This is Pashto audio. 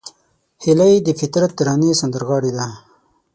هیلۍ د فطرت ترانې سندرغاړې ده